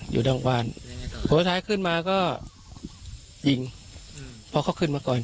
อยู่ด้านบ้านหัวท้ายขึ้นมาก็ยิงเพราะเขาขึ้นมาก่อน